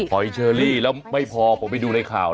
หอยเชอรี่แล้วไม่พอผมไปดูในข่าว